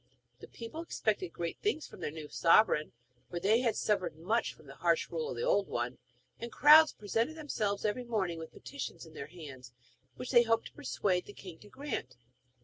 The people expected great things from their new sovereign, for they had suffered much from the harsh rule of the old one, and crowds presented themselves every morning with petitions in their hands, which they hoped to persuade the king to grant.